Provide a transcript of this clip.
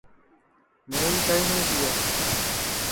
مھیم کائیں نائی تِیا